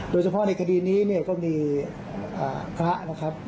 โดยเฉพาะในคดีนี้เนี่ยก็มีพระนะครับ